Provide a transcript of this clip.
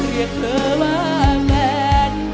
เรียกเหลือว่าแมน